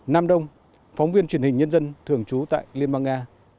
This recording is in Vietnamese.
nam đông phóng viên truyền hình nhân dân thưởng chú tại liên bang nga